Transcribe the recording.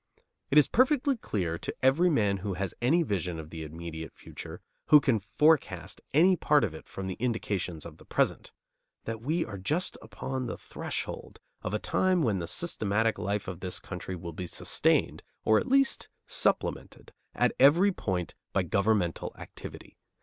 It is perfectly clear to every man who has any vision of the immediate future, who can forecast any part of it from the indications of the present, that we are just upon the threshold of a time when the systematic life of this country will be sustained, or at least supplemented, at every point by governmental activity.